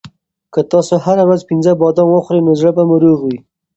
که تاسو هره ورځ پنځه بادام وخورئ نو زړه به مو روغ وي.